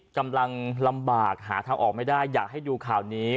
กำลังลำบากหาทางออกไม่ได้อยากให้ดูข่าวนี้